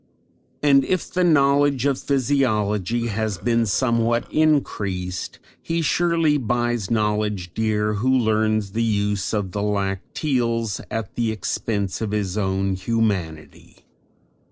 And if the knowledge of physiology has been somewhat increased, he surely buys knowledge dear who learns the use of the lacteals at the expense of his own humanity.